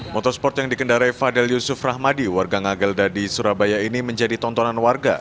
motorsport yang dikendarai fadel yusuf rahmadi warga ngagelda di surabaya ini menjadi tontonan warga